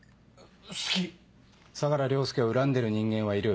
相良凌介を恨んでいる人間はいる？